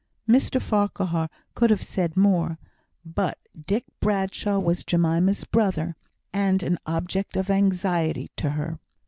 Mr Farquhar could have said more, but Dick Bradshaw was Jemima's brother, and an object of anxiety to her.